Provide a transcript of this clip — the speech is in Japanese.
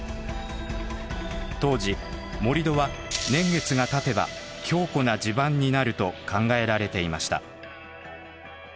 当時盛り土は年月がたてば強固な地盤になると考えられていました。